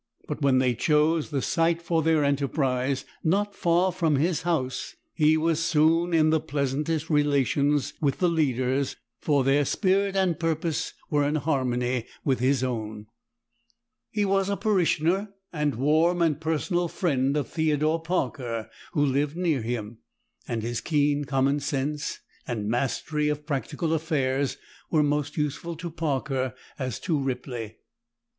But when they chose the site for their enterprise not far from his house, he was soon in the pleasantest relations with the leaders, for their spirit and purpose were in harmony with his own. He was a parishioner and warm personal friend of Theodore Parker, who lived near him, and his keen common sense and mastery of practical affairs were most useful to Parker as to Ripley.